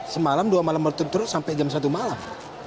semalam dua malam berturut turut sampai jam satu malam